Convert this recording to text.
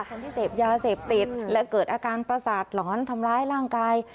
คนที่เสพยาเสพติดและเกิดอาการประสาทหลอนทำร้ายร่างกาย